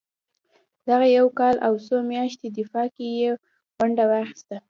دغه یو کال او څو میاشتني دفاع کې یې ونډه واخیسته.